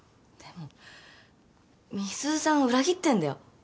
でも美鈴さんを裏切ってんだよ？